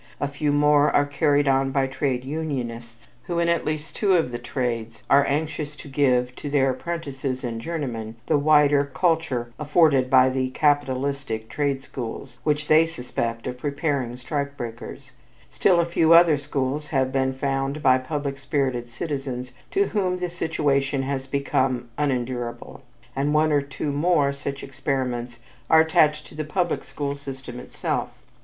A few more are carried on by trade unionists, who in at least two of the trades are anxious to give to their apprentices and journeymen the wider culture afforded by the "capitalistic trade schools" which they suspect of preparing strike breakers; still a few other schools have been founded by public spirited citizens to whom the situation has become unendurable, and one or two more such experiments are attached to the public school system itself.